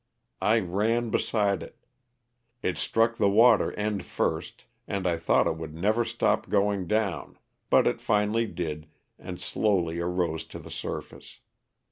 I ran beside it. It struck the water end first, and I thought it would never stop going down, but it finally did, and slowly arose to the surface.